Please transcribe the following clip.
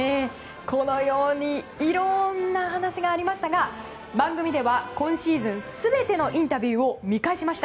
このようにいろんな話がありましたが番組では今シーズン全てのインタビューを見返しました。